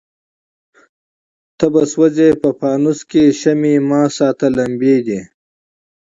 ته به سوځې په پانوس کي شمعي مه ساته لمبې دي